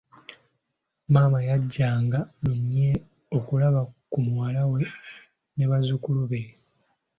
Maama yajjanga lunye okulaba ku muwala we ne bazzukulu be.